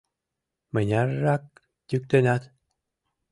Мыняррак йӱктенат?